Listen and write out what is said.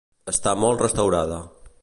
Està molt restaurada.